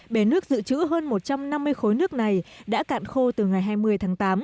bể nước dự trữ hơn một trăm năm mươi khối nước này đã cạn khô từ ngày hai mươi tháng tám